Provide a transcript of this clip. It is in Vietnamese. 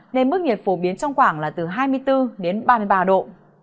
nên mức nhiệt phổ biến trong khoảng là từ hai mươi bốn đến ba mươi ba độ